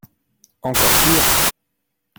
Encore pire !